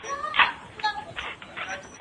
د يوسف عليه السلام وروڼو څو عظيم جرمونه وکړل.